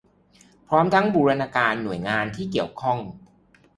พร้อมทั้งบูรณาการหน่วยงานที่เกี่ยวข้อง